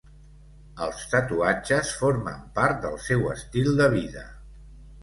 Els tatuatges formen part del seu estil de vida.